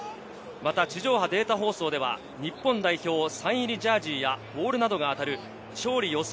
また地上波データ放送では日本代表サイン入りジャージーやボールなどが当たる勝利予想